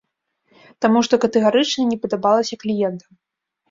Таму што катэгарычна не падабалася кліентам.